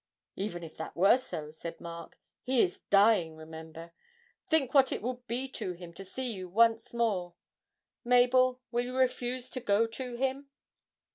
'Even if that were so,' said Mark, 'he is dying, remember. Think what it would be to him to see you once more Mabel, will you refuse to go to him?'